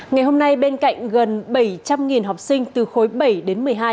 ngày hôm nay bên cạnh gần bảy trăm linh học sinh từ khối bảy đến một mươi hai